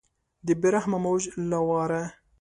د بې رحمه موج له واره